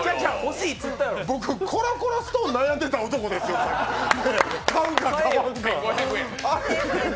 僕、「コロコロストーン」悩んでた男ですよ買うか買わんか。